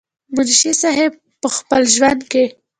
منشي صېب پۀ خپل ژوند کښې